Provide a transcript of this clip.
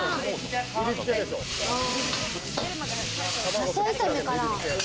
野菜炒めかな？